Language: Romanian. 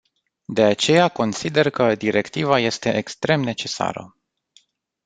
De aceea consider că directiva este extrem necesară.